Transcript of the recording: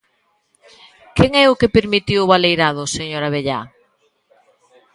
¿Quen é o que permitiu o baleirado, señor Abellá?